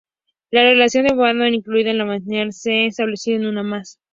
La relación con Batman, incluida la Bat-señal, se han establecido una vez más.